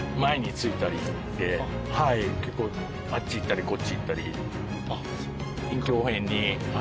結構あっち行ったりこっち行ったり。